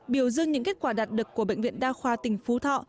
biểu dương những kết quả đạt được của bệnh viện đa khoa tỉnh phú thọ